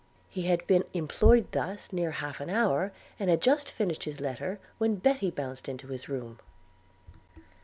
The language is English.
He had been employed thus near half an hour, and had just finished his letter, when Betty bounced into his room.